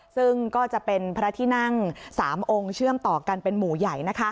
ซึ่งก็จะเป็นพระที่นั่ง๓องค์เชื่อมต่อกันเป็นหมู่ใหญ่